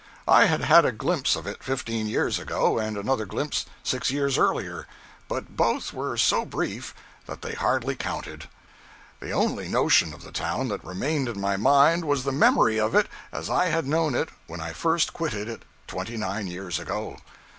I had had a glimpse of it fifteen years ago, and another glimpse six years earlier, but both were so brief that they hardly counted. The only notion of the town that remained in my mind was the memory of it as I had known it when I first quitted it twenty nine years ago.